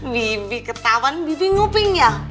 bibi ketahuan bibi nuping ya